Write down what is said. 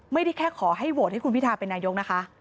ไม่ได้แค่ขอให้โหวตให้คุณพิทาเป็นนายกนะคะ